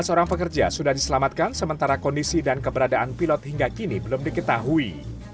tujuh belas orang pekerja sudah diselamatkan sementara kondisi dan keberadaan pilot hingga kini belum diketahui